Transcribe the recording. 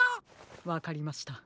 わかりました。